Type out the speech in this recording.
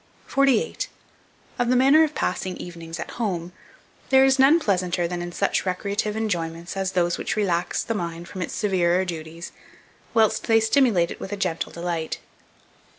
48. OF THE MANNER OF PASSING EVENINGS AT HOME, there is none pleasanter than in such recreative enjoyments as those which relax the mind from its severer duties, whilst they stimulate it with a gentle delight.